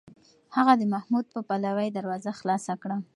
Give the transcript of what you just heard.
هغه د محمود په پلوۍ دروازه خلاصه کړه.